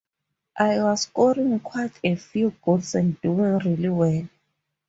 I was scoring quite a few goals and doing really well.